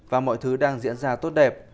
và mọi thứ đang diễn ra tốt đẹp